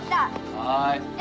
はい。